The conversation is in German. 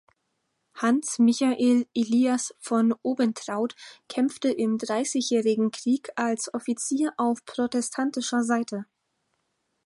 Hans Michael Elias von Obentraut kämpfte im Dreißigjährigen Krieg als Offizier auf protestantischer Seite.